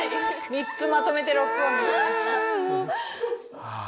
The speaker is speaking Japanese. ３つまとめてロックオン。